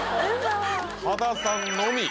羽田さんのみ。